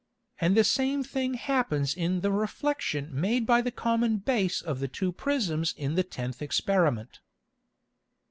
And the same thing happens in the Reflexion made by the common Base of the two Prisms in the tenth Experiment.